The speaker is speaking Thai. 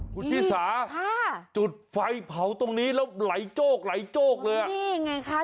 คุณชิสาค่ะจุดไฟเผาตรงนี้แล้วไหลโจ๊กไหลโจ๊กเลยอ่ะนี่ไงคะ